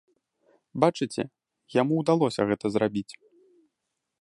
Бачыце, яму ўдалося гэта зрабіць.